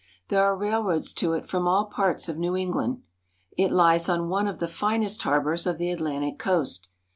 There are railroads to it from all parts of New England. It lies on one of the finest harbors of the Atlantic coast.